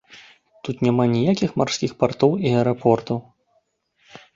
Тут няма ніякіх марскіх партоў і аэрапортаў.